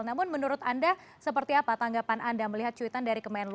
namun menurut anda seperti apa tanggapan anda melihat cuitan dari kemenlu